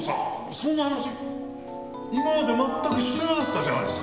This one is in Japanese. そんな話今まで全くしてなかったじゃないですか。